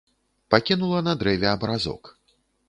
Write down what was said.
Пакінула на дрэве абразок.